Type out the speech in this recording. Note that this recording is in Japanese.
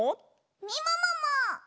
みももも！